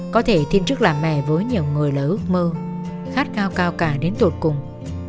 có thể thiên trức làm mẹ với nhiều người lỡ ước mơ khát cao cao cả đến tụt cùng